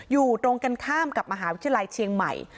อยู่ตรงกันข้ามกับมหาวิทยาลัยเชียงใหม่